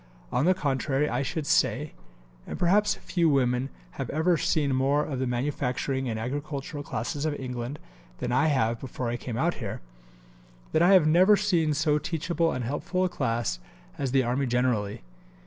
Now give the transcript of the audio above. On the contrary I should say (and perhaps few women have ever seen more of the manufacturing and agricultural classes of England than I have before I came out here) that I have never seen so teachable and helpful a class as the Army generally.